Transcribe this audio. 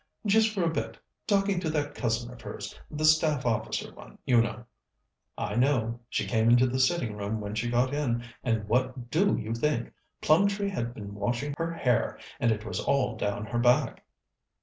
"Just for a bit; talking to that cousin of hers the Staff Officer one, you know." "I know. She came into the sitting room when she got in, and what do you think? Plumtree had been washing her hair, and it was all down her back!"